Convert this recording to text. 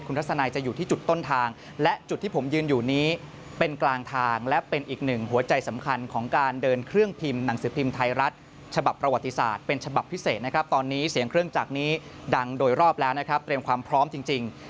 ทัศนัยจะอยู่ที่จุดต้นทางและจุดที่ผมยืนอยู่นี้เป็นกลางทางและเป็นอีกหนึ่งหัวใจสำคัญของการเดินเครื่องพิมพ์หนังสือพิมพ์ไทยรัฐฉบับประวัติศาสตร์เป็นฉบับพิเศษนะครับตอนนี้เสียงเครื่องจักรนี้ดังโดยรอบแล้วนะครับเตรียมความพร้อมจริง